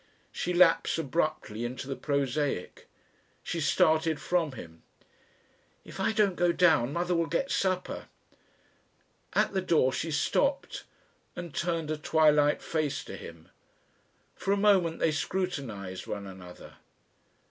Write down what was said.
She lapsed abruptly into the prosaic. She started from him. "If I don't go down, Mother will get supper ..." At the door she stopped and turned a twilight face to him. For a moment they scrutinised one another.